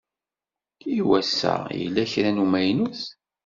I wass-a yella kra n umaynut